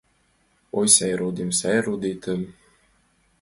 Ой, сай родем, сай родетым